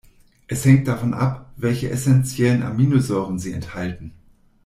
Es hängt davon ab, welche essenziellen Aminosäuren sie enthalten.